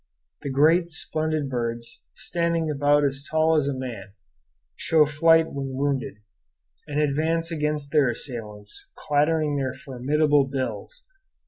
The great, splendid birds, standing about as tall as a man, show fight when wounded, and advance against their assailants, clattering their formidable bills.